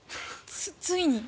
ついに？